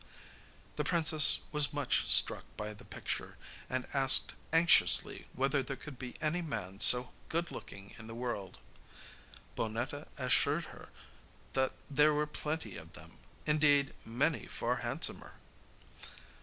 The princess was much struck by the picture, and asked anxiously whether there could be any man so good looking in the world. Bonnetta assured her that there were plenty of them; indeed, many far handsomer.